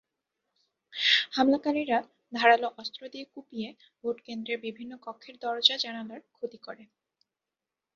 হামলাকারীরা ধারালো অস্ত্র দিয়ে কুপিয়ে ভোটকেন্দ্রের বিভিন্ন কক্ষের দরজা-জানালার ক্ষতি করে।